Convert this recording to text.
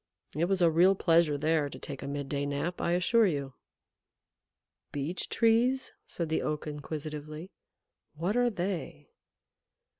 It was a real pleasure there to take a midday nap, I assure you." "Beech Trees?" said the Oak inquisitively. "What are they?"